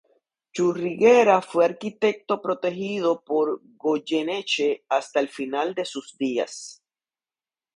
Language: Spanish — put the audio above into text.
Churriguera fue arquitecto protegido por Goyeneche hasta el final de sus días.